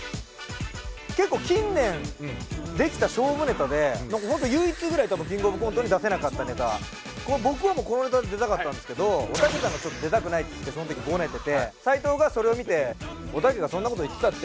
結構近年できた勝負ネタでホント唯一ぐらいたぶんキングオブコントに出せなかったネタ僕はこのネタで出たかったんですけどおたけさんが出たくないってその時ごねてて斉藤がそれを見て「おたけがそんなこと言ったって」